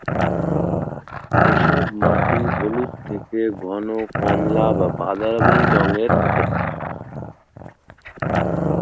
এসব মাটি হলুদ থেকে ঘন কমলা বা বাদামি রঙের হতে পারে।